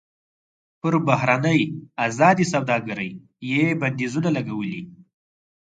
پر بهرنۍ ازادې سوداګرۍ یې بندیزونه لګولي.